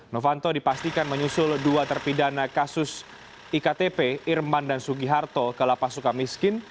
novanto dipastikan menyusul dua terpidana kasus iktp irman dan sugiharto ke lapas suka miskin